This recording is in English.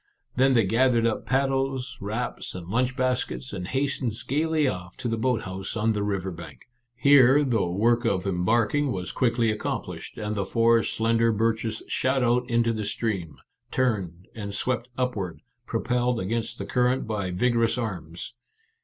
Then they gathered up pad dles, wraps, and lunch baskets, and hastened gaily off to the boat house on the river bank. Here the work of embarking was quickly accomplished, and the four slender birches shot out into the stream, turned, and swept upward, propelled against the current by vigorous arms.